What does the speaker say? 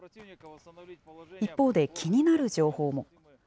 一方で気になる情報も。